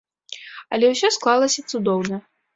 Але ўсё склалася цудоўна.